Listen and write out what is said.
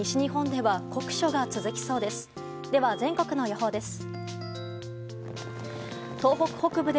では全国の予報です。